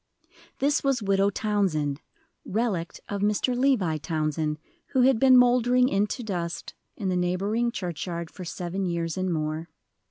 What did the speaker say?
This was Widow Townsend, "relict" of Mr. Levi Townsend, who had been mouldering into dust in the neighboring churchyard for seven years and more.